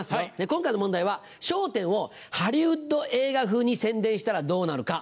今回の問題は『笑点』をハリウッド映画風に宣伝したらどうなるか。